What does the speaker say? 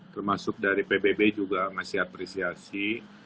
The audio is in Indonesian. termasuk dari pbb juga ngasih apresiasi